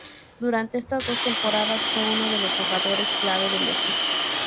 Durante estas dos temporadas fue uno de los jugadores clave del equipo.